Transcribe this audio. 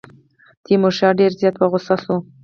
تیمورشاه ډېر زیات په غوسه شو.